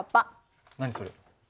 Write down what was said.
何それ？